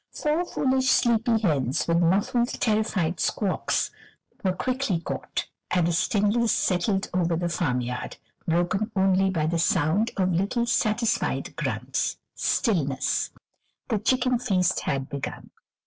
Four foolish, sleepy hens, with muffled, terrified squawks, were quickly caught, and a stillness settled over the farmyard, broken only by the sound of little satisfied grunts; the chicken feast had begun.